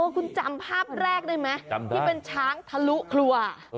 คุณจำภาพแรกได้ไหมที่เป็นช้างทะลุครัว